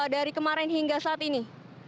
dari kemarin hingga saat ini